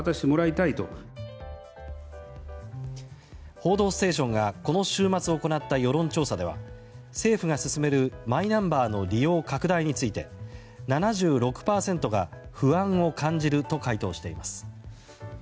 「報道ステーション」がこの週末行った世論調査では政府が進めるマイナンバーの利用拡大について７６％が不安を感じると回答しています。